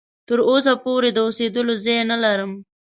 تر اوسه پوري د اوسېدلو ځای نه لرم.